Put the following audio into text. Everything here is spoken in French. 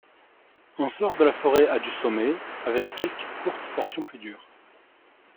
On sort de la forêt à du sommet avec quelques courtes portions plus dures.